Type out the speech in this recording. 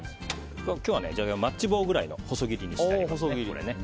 今日はジャガイモはマッチ棒ぐらいの細切りにしてあります。